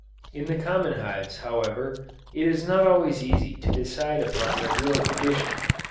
In the common hives however, it is not always easy to decide upon their real condition.